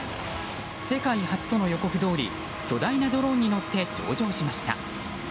世界初との予告どおり巨大なドローンに乗って登場しました。